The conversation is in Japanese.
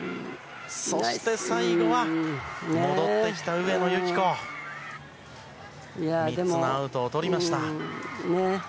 そして、最後は戻ってきた上野由岐子が３つのアウトをとりました。